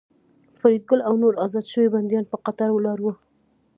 فریدګل او نور ازاد شوي بندیان په قطار ولاړ وو